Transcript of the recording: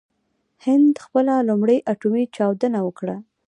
هند خپله لومړۍ اټومي چاودنه وکړه.